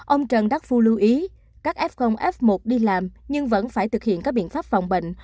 ông trần đắc phu lưu ý các f f một đi làm nhưng vẫn phải thực hiện các biện pháp phòng bệnh